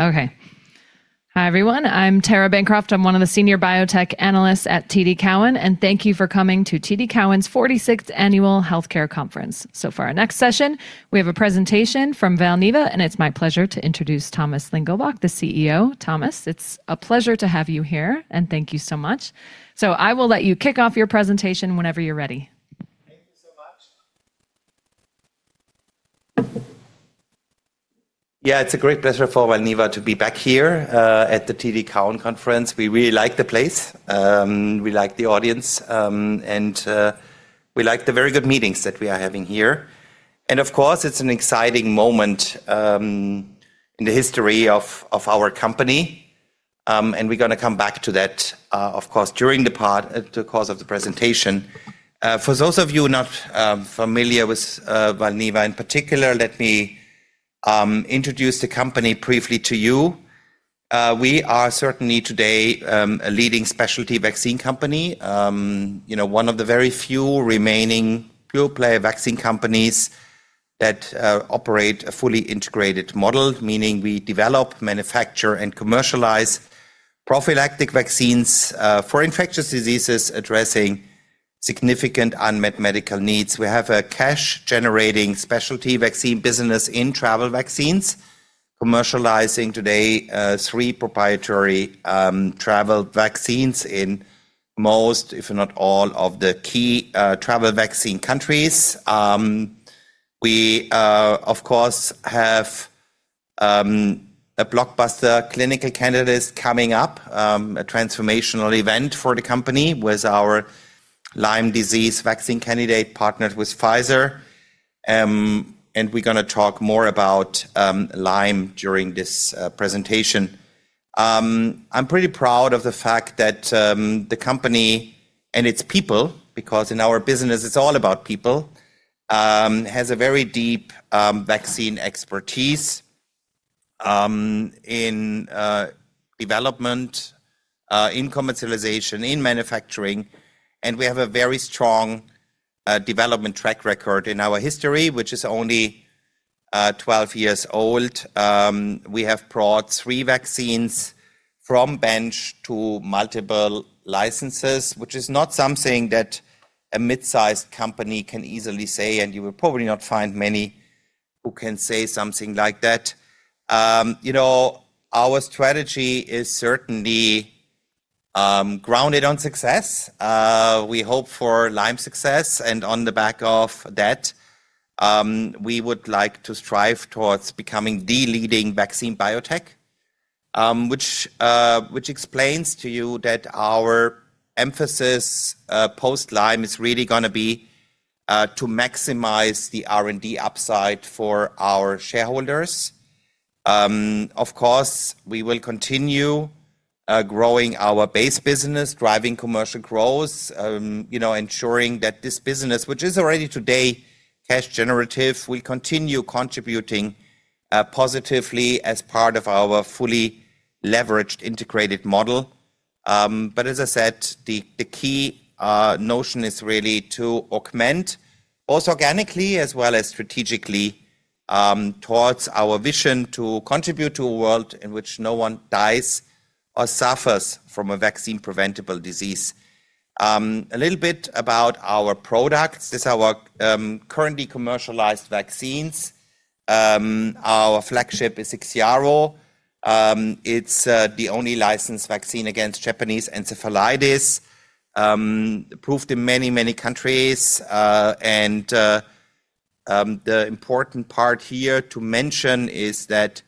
Okay. Hi, everyone. I'm Tara Bancroft. I'm one of the senior biotech analysts at TD Cowen, and thank you for coming to TD Cowen's 46th Annual Healthcare Conference. For our next session, we have a presentation from Valneva, and it's my pleasure to introduce Thomas Lingelbach, the CEO. Thomas, it's a pleasure to have you here, and thank you so much. I will let you kick off your presentation whenever you're ready. Thank you so much. Yeah, it's a great pleasure for Valneva to be back here at the TD Cowen conference. We really like the place, we like the audience, and we like the very good meetings that we are having here. Of course, it's an exciting moment in the history of our company, and we're gonna come back to that, of course, during the course of the presentation. For those of you not familiar with Valneva in particular, let me introduce the company briefly to you. We are certainly today a leading specialty vaccine company, you know, one of the very few remaining pure-play vaccine companies that operate a fully integrated model, meaning we develop, manufacture, and commercialize prophylactic vaccines for infectious diseases addressing significant unmet medical needs. We have a cash-generating specialty vaccine business in travel vaccines, commercializing today, three proprietary travel vaccines in most, if not all, of the key travel vaccine countries. We, of course, have a blockbuster clinical candidate coming up, a transformational event for the company with our Lyme disease vaccine candidate partnered with Pfizer, and we're gonna talk more about Lyme during this presentation. I'm pretty proud of the fact that the company and its people, because in our business, it's all about people, has a very deep vaccine expertise in development, in commercialization, in manufacturing, and we have a very strong development track record. In our history, which is only 12 years old, we have brought three vaccines from bench to multiple licenses, which is not something that a mid-sized company can easily say. You will probably not find many who can say something like that. You know, our strategy is certainly grounded on success. We hope for Lyme success. On the back of that, we would like to strive towards becoming the leading vaccine biotech, which explains to you that our emphasis post-Lyme is really gonna be to maximize the R&D upside for our shareholders. We will continue growing our base business, driving commercial growth, you know, ensuring that this business, which is already today cash generative, will continue contributing positively as part of our fully leveraged integrated model. As I said, the key notion is really to augment, both organically as well as strategically, towards our vision to contribute to a world in which no one dies or suffers from a vaccine-preventable disease. A little bit about our products. This is our currently commercialized vaccines. Our flagship is IXIARO. It's the only licensed vaccine against Japanese encephalitis, approved in many, many countries. The important part here to mention is that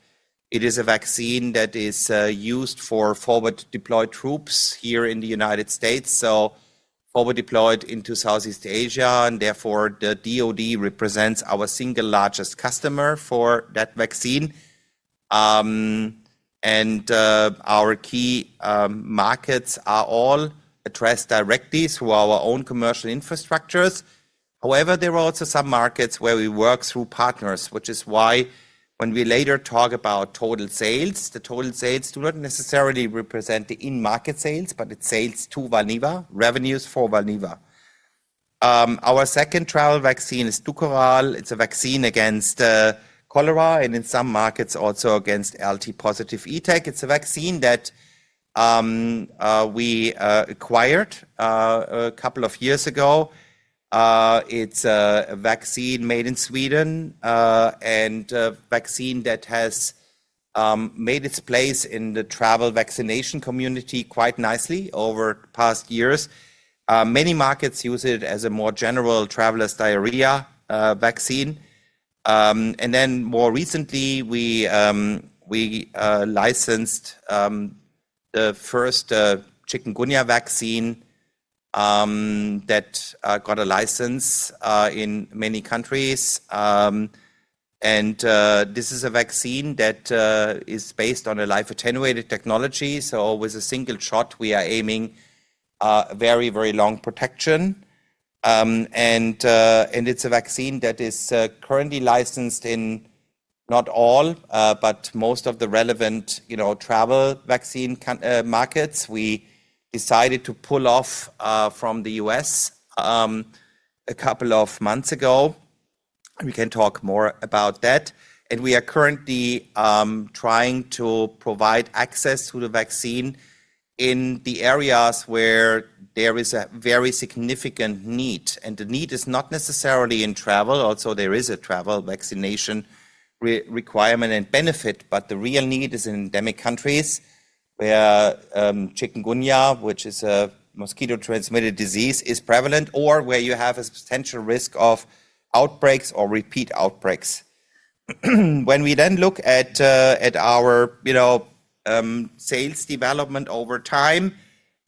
it is a vaccine that is used for forward-deployed troops here in the United States, so forward-deployed into Southeast Asia, and therefore, the DoD represents our single largest customer for that vaccine. Our key markets are all addressed directly through our own commercial infrastructures. However, there are also some markets where we work through partners, which is why when we later talk about total sales, the total sales do not necessarily represent the in-market sales, but it's sales to Valneva, revenues for Valneva. Our second travel vaccine is DUKORAL. It's a vaccine against cholera, and in some markets, also against LT-positive ETEC. It's a vaccine that we acquired 2 years ago. It's a vaccine made in Sweden, and a vaccine that has made its place in the travel vaccination community quite nicely over past years. Many markets use it as a more general traveler's diarrhea vaccine. More recently, we licensed the first chikungunya vaccine that got a license in many countries. This is a vaccine that is based on a live attenuated technology, so with a single shot, we are aiming very, very long protection. It's a vaccine that is currently licensed in not all, but most of the relevant, you know, travel vaccine markets. We decided to pull off from the U.S. a couple of months ago. We can talk more about that. We are currently trying to provide access to the vaccine in the areas where there is a very significant need, and the need is not necessarily in travel, also there is a travel vaccination requirement and benefit, but the real need is in endemic countries where chikungunya, which is a mosquito-transmitted disease, is prevalent or where you have a potential risk of outbreaks or repeat outbreaks. When we then look at our, you know, sales development over time,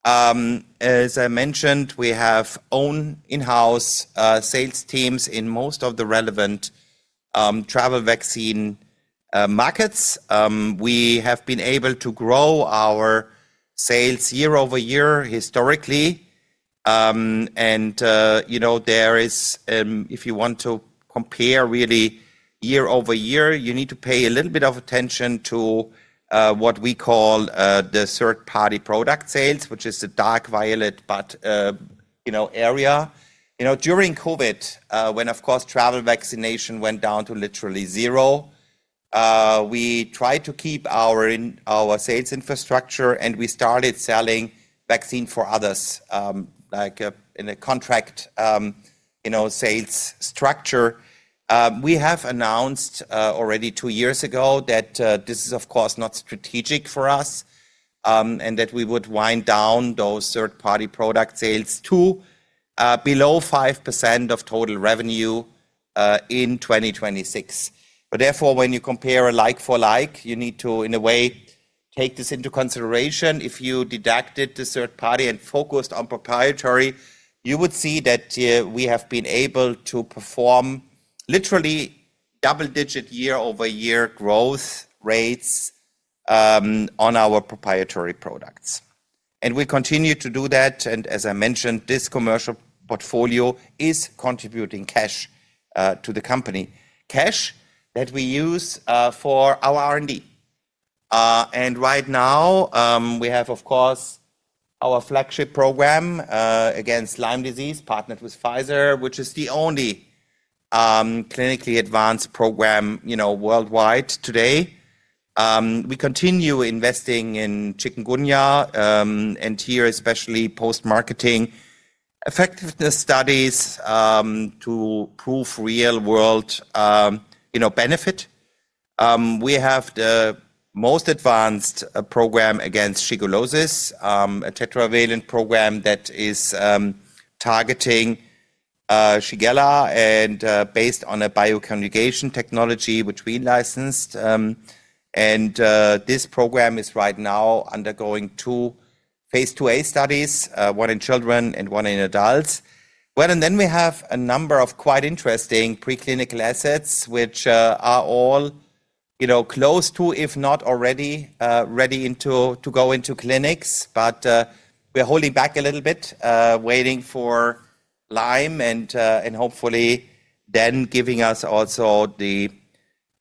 as I mentioned, we have own in-house sales teams in most of the relevant travel vaccine markets. We have been able to grow our sales year-over-year historically, and, you know, there is, if you want to compare really year-over-year, you need to pay a little bit of attention to what we call the third-party product sales, which is the dark violet, but, you know, area. You know, during COVID, when, of course, travel vaccination went down to literally zero, we tried to keep our sales infrastructure, and we started selling vaccine for others, like, in a contract, you know, sales structure. We have announced already two years ago that this is of course not strategic for us, and that we would wind down those third-party product sales to below 5% of total revenue in 2026. Therefore, when you compare a like for like, you need to, in a way, take this into consideration. If you deducted the third party and focused on proprietary, you would see that we have been able to perform literally double-digit year-over-year growth rates on our proprietary products. We continue to do that, and as I mentioned, this commercial portfolio is contributing cash to the company, cash that we use for our R&D. Right now, we have, of course, our flagship program against Lyme disease, partnered with Pfizer, which is the only clinically advanced program, you know, worldwide today. We continue investing in chikungunya, and here especially post-marketing effectiveness studies, to prove real-world, you know, benefit. We have the most advanced program against shigellosis, a tetravalent program that is targeting Shigella and based on a bioconjugation technology which we licensed. This program is right now undergoing two phase 2a studies, one in children and one in adults. Well, we have a number of quite interesting preclinical assets, which are all, you know, close to, if not already, ready to go into clinics. We're holding back a little bit, waiting for Lyme and hopefully then giving us also the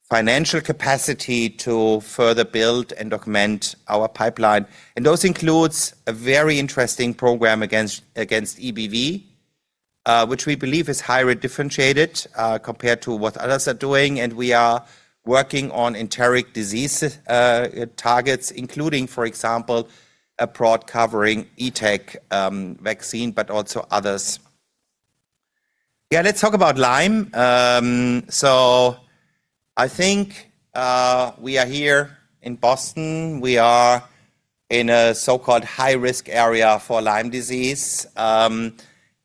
financial capacity to further build and document our pipeline. Those includes a very interesting program against EBV, which we believe is highly differentiated compared to what others are doing. We are working on enteric disease targets, including, for example, a broad-covering ETEC vaccine, but also others. Yeah, let's talk about Lyme. I think, we are here in Boston. We are in a so-called high-risk area for Lyme disease,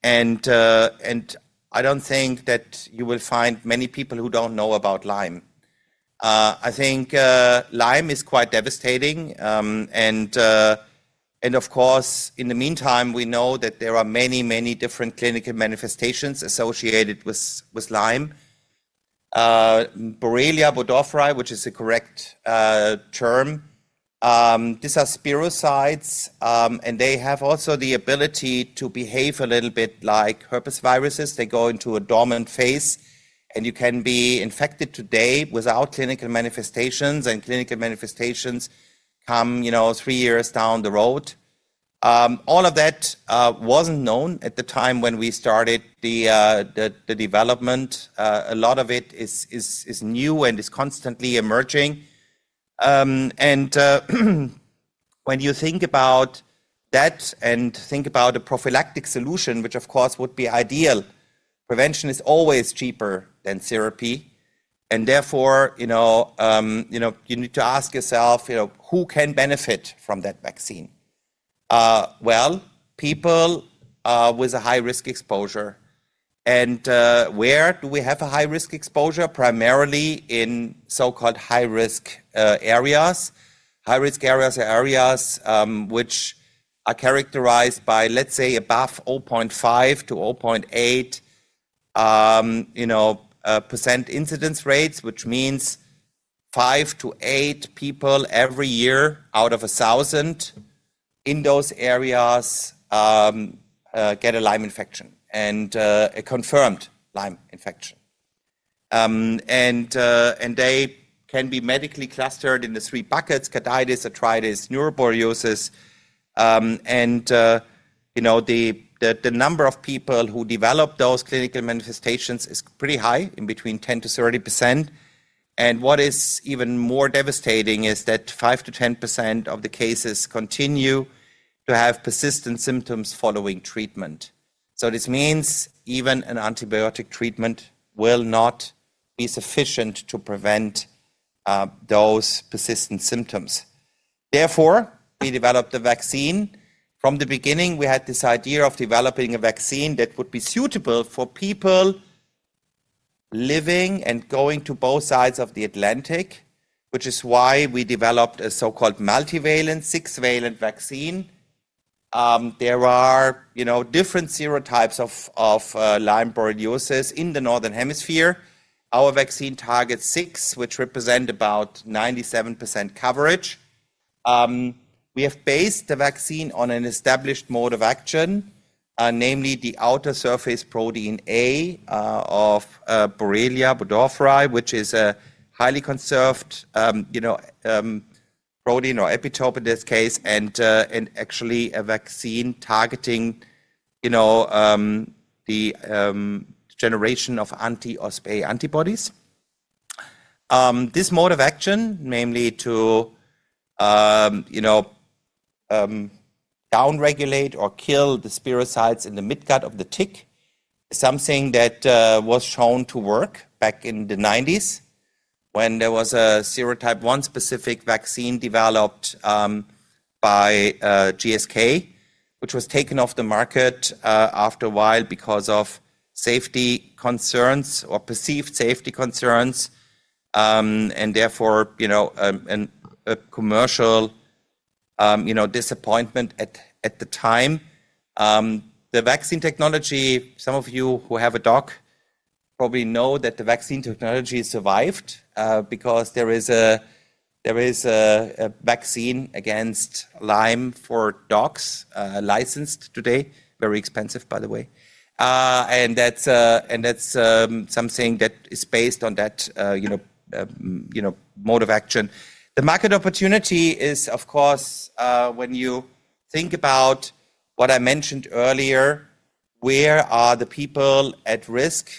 I don't think that you will find many people who don't know about Lyme. I think, Lyme is quite devastating, of course, in the meantime, we know that there are many, many different clinical manifestations associated with Lyme. Borrelia burgdorferi, which is the correct term, these are spirochetes, and they have also the ability to behave a little bit like herpesviruses. They go into a dormant phase, and you can be infected today without clinical manifestations, and clinical manifestations come, you know, three years down the road. All of that wasn't known at the time when we started the development. A lot of it is, is new and is constantly emerging. When you think about that and think about a prophylactic solution, which of course would be ideal, prevention is always cheaper than therapy. Therefore, you know, you need to ask yourself, you know, who can benefit from that vaccine? Well, people with a high-risk exposure. Where do we have a high-risk exposure? Primarily in so-called high-risk areas. High-risk areas are areas which are characterized by, let's say, above 0.5-0.8%, you know, incidence rates, which means 5-8 people every year out of 1,000 in those areas get a Lyme infection and a confirmed Lyme infection. They can be medically clustered in the three buckets: carditis, arthritis, neuroborreliosis. You know, the number of people who develop those clinical manifestations is pretty high, in between 10%-30%. What is even more devastating is that 5%-10% of the cases continue to have persistent symptoms following treatment. This means even an antibiotic treatment will not be sufficient to prevent those persistent symptoms. Therefore, we developed a vaccine. From the beginning, we had this idea of developing a vaccine that would be suitable for people living and going to both sides of the Atlantic, which is why we developed a so-called multivalent, six-valent vaccine. There are, you know, different serotypes of Lyme borreliosis in the northern hemisphere. Our vaccine targets six, which represent about 97% coverage. We have based the vaccine on an established mode of action, namely the outer surface protein A of Borrelia burgdorferi, which is a highly conserved, you know, protein or epitope in this case, and actually a vaccine targeting, you know, the generation of anti-OspA antibodies. This mode of action, mainly to, you know, down-regulate or kill the spirochetes in the midgut of the tick, something that was shown to work back in the nineties when there was a serotype one-specific vaccine developed by GSK, which was taken off the market after a while because of safety concerns or perceived safety concerns, and therefore, you know, and a commercial, you know, disappointment at the time. The vaccine technology, some of you who have a dog probably know that the vaccine technology survived because there is a vaccine against Lyme for dogs licensed today, very expensive by the way. That's something that is based on that, you know, mode of action. The market opportunity is, of course, when you think about what I mentioned earlier, where are the people at risk?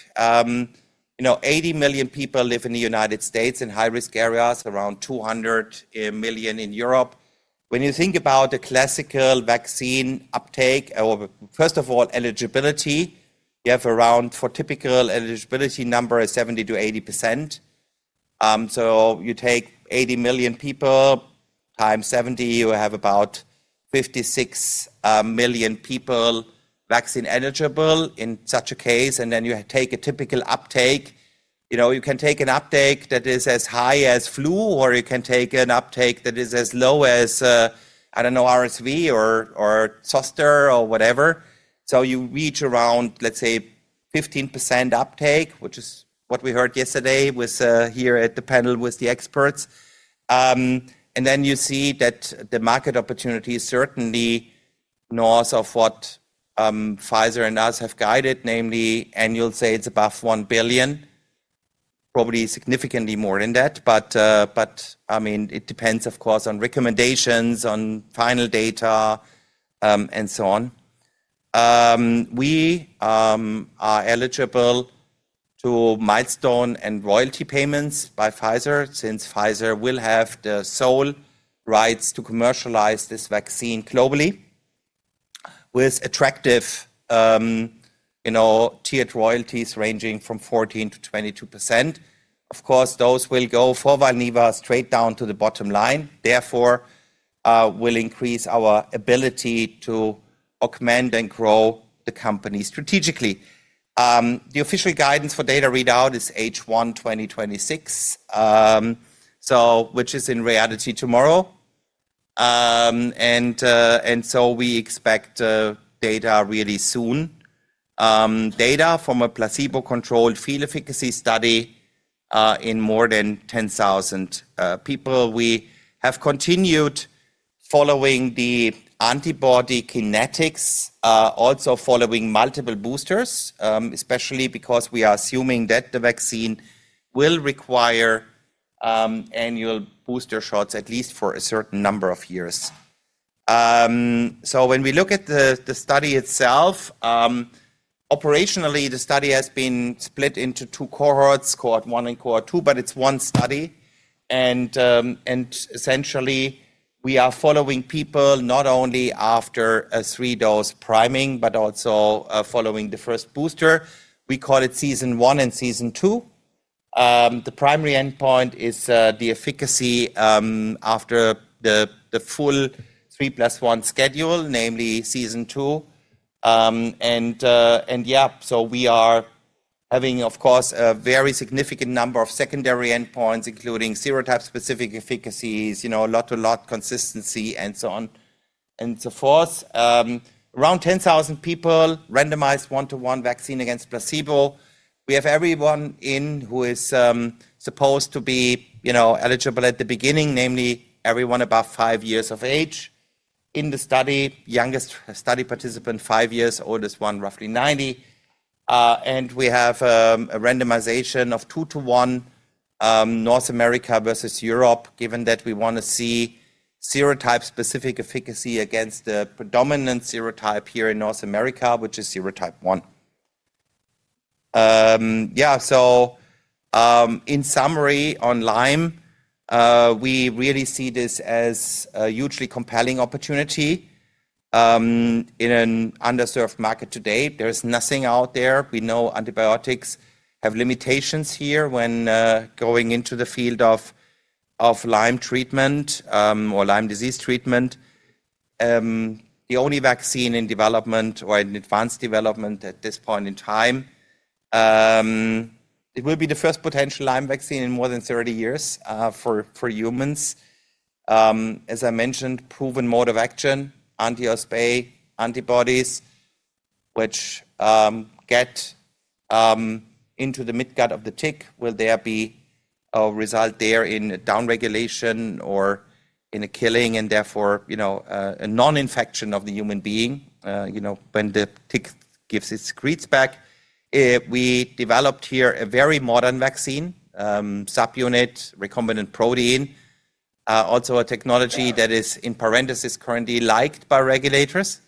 You know, 80 million people live in the United States in high-risk areas, around 200 million in Europe. When you think about the classical vaccine uptake or, first of all, eligibility, you have for typical eligibility number is 70%-80%. You take 80 million people times 70%, you have about 56 million people vaccine eligible in such a case. You take a typical uptake. You know, you can take an uptake that is as high as flu, or you can take an uptake that is as low as, I don't know, RSV or zoster or whatever. You reach around, let's say, 15% uptake, which is what we heard yesterday with here at the panel with the experts. Then you see that the market opportunity is certainly north of what Pfizer and us have guided, namely annual sales above $1 billion, probably significantly more than that. I mean, it depends, of course, on recommendations, on final data, and so on. We are eligible to milestone and royalty payments by Pfizer since Pfizer will have the sole rights to commercialize this vaccine globally with attractive, you know, tiered royalties ranging from 14%-22%. Of course, those will go for Valneva straight down to the bottom line, therefore, will increase our ability to augment and grow the company strategically. The official guidance for data readout is H1 2026, which is in reality tomorrow. We expect data really soon. Data from a placebo-controlled field efficacy study in more than 10,000 people. We have continued following the antibody kinetics, also following multiple boosters, especially because we are assuming that the vaccine will require annual booster shots at least for a certain number of years. When we look at the study itself, operationally, the study has been split into two cohorts, cohort 1 and cohort 2, but it's one study. Essentially, we are following people not only after a 3-dose priming but also following the first booster. We call it season one and season two. The primary endpoint is the efficacy after the full 3+1 schedule, namely season two. Yeah. We are having, of course, a very significant number of secondary endpoints, including serotype-specific efficacies, you know, lot-to-lot consistency, and so on and so forth. Around 10,000 people randomized 1-1 vaccine against placebo. We have everyone in who is, you know, supposed to be eligible at the beginning, namely everyone above five years of age. In the study, youngest study participant five years, oldest one roughly 90. We have a randomization of 2-1 North America versus Europe, given that we want to see serotype-specific efficacy against the predominant serotype here in North America, which is serotype 1. Yeah, in summary on Lyme, we really see this as a hugely compelling opportunity in an underserved market today. There's nothing out there. We know antibiotics have limitations here when going into the field of Lyme treatment or Lyme disease treatment. The only vaccine in development or in advanced development at this point in time, it will be the first potential Lyme vaccine in more than 30 years for humans. As I mentioned, proven mode of action, anti-OspA antibodies, which get into the midgut of the tick, will there be a result there in a downregulation or in a killing and therefore, you know, a non-infection of the human being, you know, when the tick gives its secrets back. We developed here a very modern vaccine, subunit, recombinant protein, also a technology that is in parenthesis currently liked by regulators.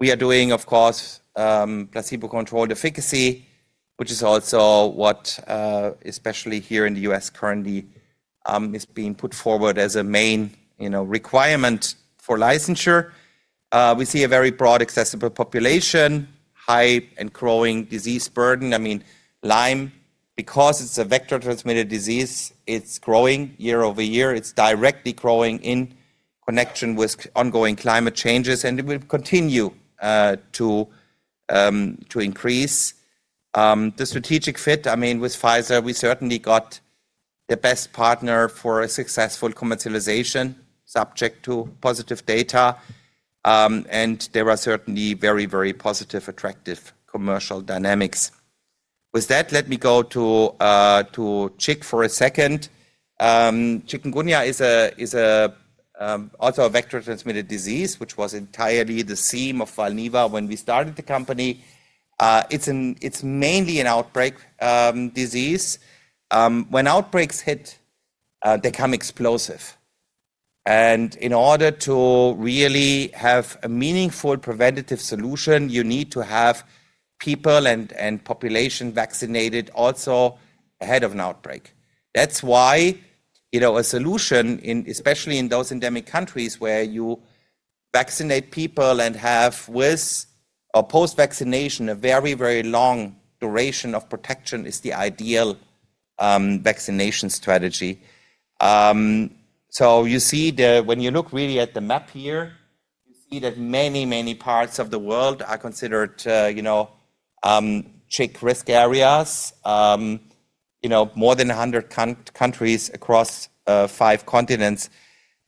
We are doing, of course, placebo-controlled efficacy, which is also what, especially here in the U.S. currently, is being put forward as a main, you know, requirement for licensure. We see a very broad accessible population, high and growing disease burden. I mean, Lyme, because it's a vector-transmitted disease, it's growing year-over-year. It's directly growing in connection with ongoing climate changes, and it will continue to increase. The strategic fit, I mean, with Pfizer, we certainly got the best partner for a successful commercialization subject to positive data. There are certainly very, very positive, attractive commercial dynamics. With that, let me go to Chik for a second. Chikungunya is a also a vector-transmitted disease, which was entirely the seam of Valneva when we started the company. It's mainly an outbreak disease. When outbreaks hit, they come explosive. In order to really have a meaningful preventative solution, you need to have people and population vaccinated also ahead of an outbreak. That's why, you know, a solution in, especially in those endemic countries where you vaccinate people and have with or post-vaccination a very, very long duration of protection is the ideal vaccination strategy. When you look really at the map here, you see that many, many parts of the world are considered, you know, chik risk areas, you know, more than 100 countries across five continents.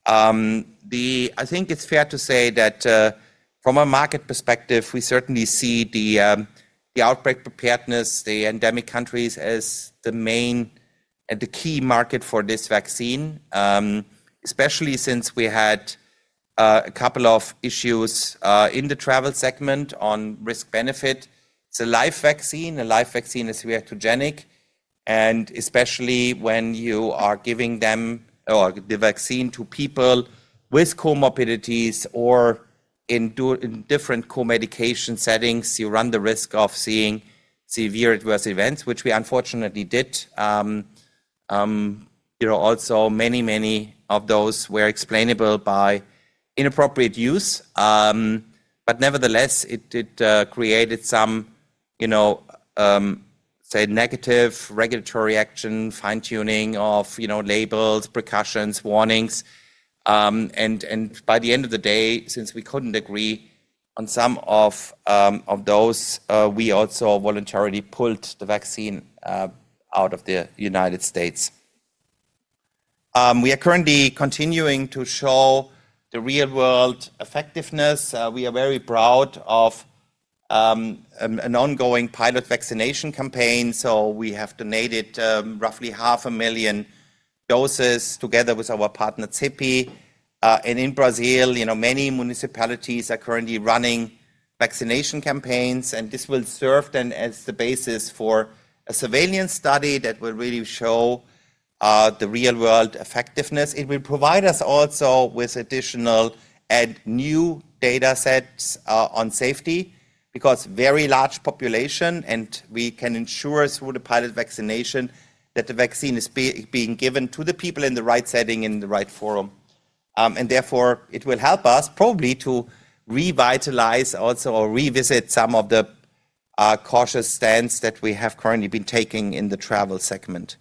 I think it's fair to say that from a market perspective, we certainly see the outbreak preparedness, the endemic countries as the main and the key market for this vaccine, especially since we had a couple of issues in the travel segment on risk-benefit. It's a live vaccine. A live vaccine is reactogenic, and especially when you are giving them or the vaccine to people with comorbidities or in different co-medication settings, you run the risk of seeing severe adverse events, which we unfortunately did. You know, also many of those were explainable by inappropriate use. Nevertheless, it did created some, you know, negative regulatory action, fine-tuning of, you know, labels, precautions, warnings. By the end of the day, since we couldn't agree on some of those, we also voluntarily pulled the vaccine out of the United States. We are currently continuing to show the real-world effectiveness. We are very proud of an ongoing pilot vaccination campaign. We have donated roughly half a million doses together with our partner CEPI. In Brazil, you know, many municipalities are currently running vaccination campaigns, and this will serve then as the basis for a surveillance study that will really show the real-world effectiveness. It will provide us also with additional and new datasets on safety, because very large population, and we can ensure through the pilot vaccination that the vaccine is being given to the people in the right setting, in the right forum. Therefore, it will help us probably to revitalize also or revisit some of the cautious stance that we have currently been taking in the travel segment.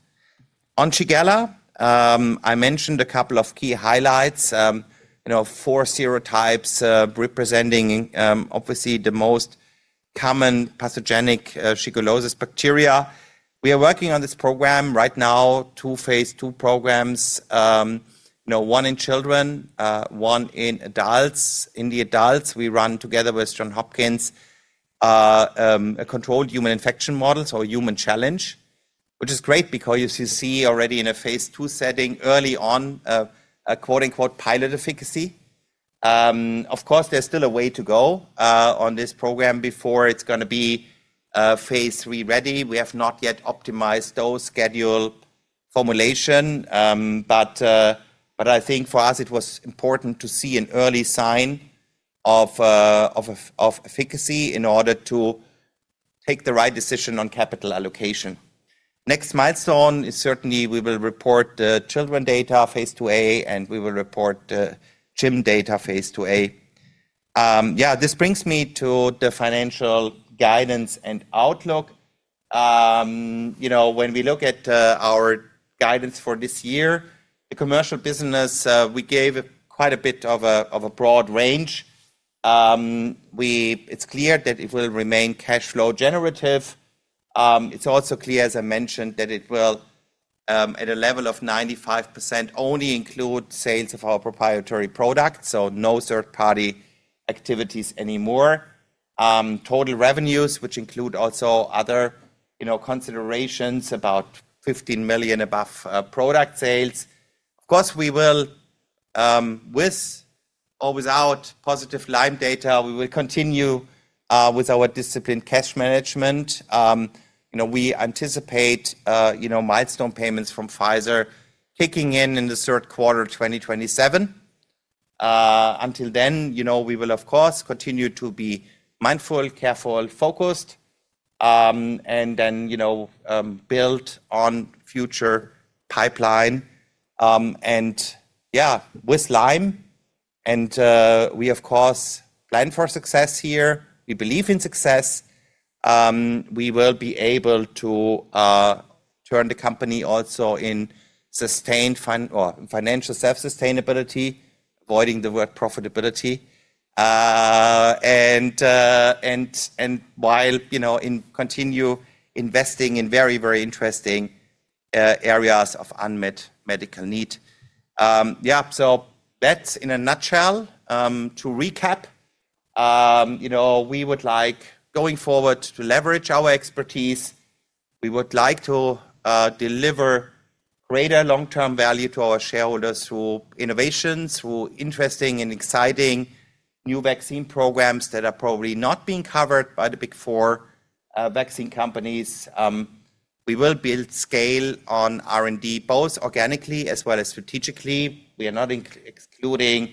On Shigella, I mentioned a couple of key highlights. you know, four serotypes, representing, obviously the most common pathogenic shigellosis bacteria. We are working on this program right now, two phase two programs, you know, one in children, one in adults. In the adults, we run together with Johns Hopkins, a controlled human infection model, so a human challenge. Which is great because you see already in a phase II setting early on a quote-unquote pilot efficacy. Of course, there's still a way to go on this program before it's gonna be phase III-ready. We have not yet optimized dose schedule formulation. I think for us it was important to see an early sign of efficacy in order to take the right decision on capital allocation. Next milestone is certainly we will report the children data phase IIa, and we will report the CHIM data phase IIa. This brings me to the financial guidance and outlook. you know, when we look at our guidance for this year, the commercial business, we gave quite a bit of a broad range. It's clear that it will remain cash flow generative. It's also clear, as I mentioned, that it will at a level of 95% only include sales of our proprietary products, so no third-party activities anymore. Total revenues, which include also other, you know, considerations about $15 million above product sales. Of course, we will, with or without positive Lyme data, we will continue with our disciplined cash management. you know, we anticipate, you know, milestone payments from Pfizer kicking in in the third quarter of 2027. Until then, you know, we will of course, continue to be mindful, careful, focused, and then, you know, build on future pipeline. Yeah, with Lyme and, we of course plan for success here. We believe in success. We will be able to turn the company also in sustained financial self-sustainability, avoiding the word profitability. And while, you know, in continue investing in very, very interesting areas of unmet medical need. Yeah, so that's in a nutshell. To recap, you know, we would like going forward to leverage our expertise. We would like to deliver greater long-term value to our shareholders through innovation, through interesting and exciting new vaccine programs that are probably not being covered by the big four vaccine companies. We will build scale on R&D, both organically as well as strategically. We are not excluding,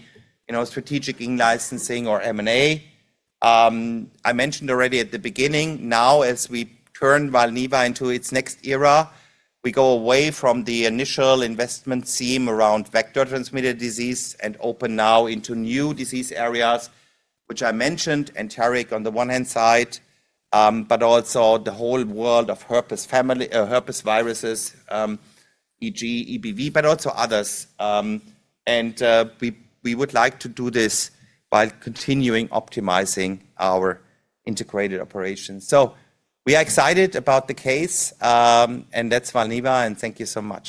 you know, strategic in-licensing or M&A. I mentioned already at the beginning, now as we turn Valneva into its next era, we go away from the initial investment theme around vector transmitted disease and open now into new disease areas, which I mentioned enteric on the one hand side, but also the whole world of herpes viruses, e.g., EBV, but also others. We would like to do this while continuing optimizing our integrated operations. We are excited about the case, and that's Valneva, and thank you so much.